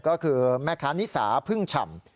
ก็คือแม่ค้านิสาพึ่งฉ่ำ